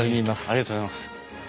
ありがとうございます。